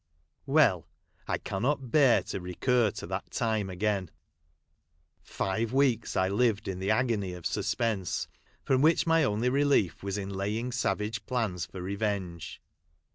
Well ! I eannot bear to recur to that time again. Five Aveeks I lived in the agony of suspense ; from which my only relief Avas in laying savage plans for revenge.